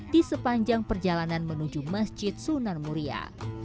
di sepanjang perjalanan menuju masjid sunan muria